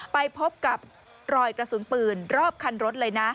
ไปพบกับรอยกระสุนปืนรอบคันรถเลยนะ